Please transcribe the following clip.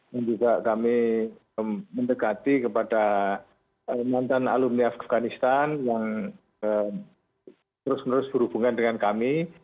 dan juga kami mendekati kepada mantan alumni afganistan yang terus terus berhubungan dengan kami